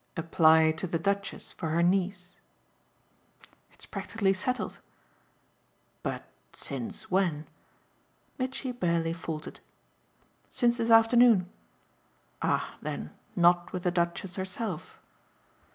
"Apply to the Duchess for her niece?" "It's practically settled." "But since when?" Mitchy barely faltered. "Since this afternoon." "Ah then not with the Duchess herself."